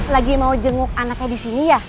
lagi mau jenguk anaknya di sini ya